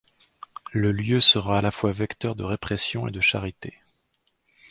Le lieu sera à la fois vecteur de répression et de charité.